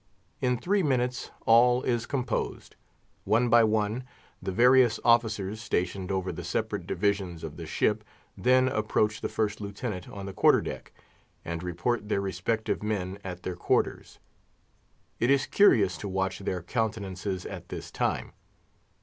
In three minutes all is composed. One by one, the various officers stationed over the separate divisions of the ship then approach the First Lieutenant on the quarter deck, and report their respective men at their quarters. It is curious to watch their countenances at this time.